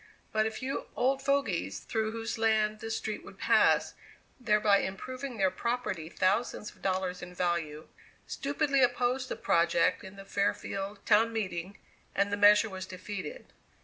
But a few "old fogies" through whose land the street would pass, thereby improving their property thousands of dollars in value, stupidly opposed the project in the Fairfield town meeting, and the measure was defeated.